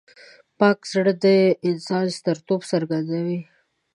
پاک زړه د انسان سترتوب څرګندوي.